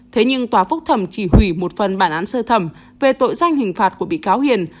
thế nhưng tòa phúc thẩm chỉ hủy một phần bản án sơ thẩm về tội danh hình phạt của bị cáo hiền